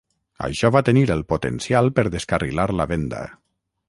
Això va tenir el potencial per descarrilar la venda.